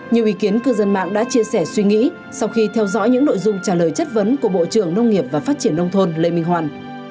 nhiều ý kiến cư dân mạng đã chia sẻ suy nghĩ sau khi theo dõi những nội dung trả lời chất vấn của bộ trưởng nông nghiệp và phát triển nông thôn lê minh hoàn